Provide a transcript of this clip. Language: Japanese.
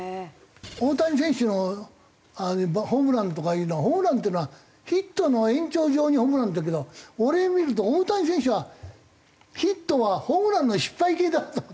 大谷選手のホームランとかいうのはホームランっていうのはヒットの延長上にホームランってあるけど俺見ると大谷選手はヒットはホームランの失敗形だった。